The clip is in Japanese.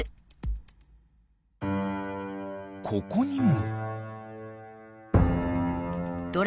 ここにも。